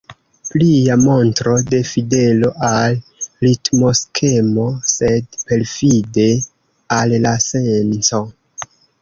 Plia montro de fidelo al ritmoskemo, sed perfide al la senco.